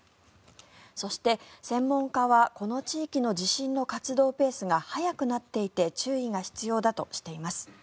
そして、専門家はこの地域の地震の活動ペースが早くなっていて注意が必要だとしています。